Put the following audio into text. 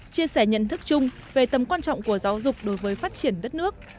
chia sẻ nhận thức chung về tầm quan trọng của giáo dục đối với phát triển đất nước